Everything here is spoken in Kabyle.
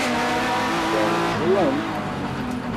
Llan ẓẓlen.